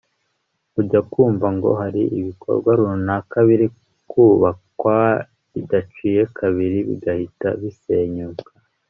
Ujya kumva ngo hari ibikorwa runaka biri kubakwa bidaciye kabiri bigahita bisenyuka